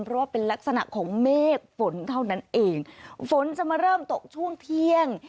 เพราะว่าเป็นลักษณะของเมฆฝนเท่านั้นเองฝนจะมาเริ่มตกช่วงเที่ยง